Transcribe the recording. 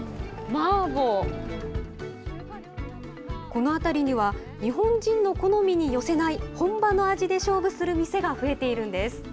この辺りには日本人の好みに寄せない、本場の味で勝負する店が増えているんです。